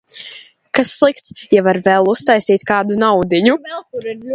Kas slikts, ja var vēl uztaisīt kādu naudiņu?